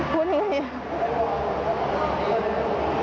พูดยังไง